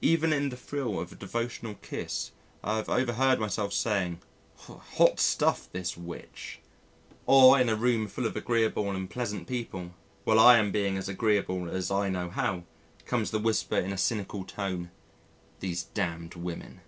Even in the thrill of a devotional kiss I have overheard myself saying, "Hot stuff, this witch." Or in a room full of agreeable and pleasant people, while I am being as agreeable as I know how, comes the whisper in a cynical tone, "These damned women."